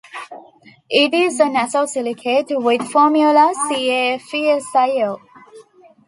It is a nesosilicate, with formula CaFeSiO.